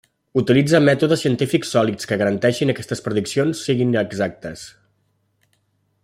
Utilitza mètodes científics sòlids que garanteixin que aquestes prediccions siguin exactes.